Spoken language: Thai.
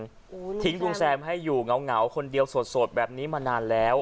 โอ้โหทิ้งลุงแซมให้อยู่เหงาเหงาคนเดียวสดสดแบบนี้มานานแล้ว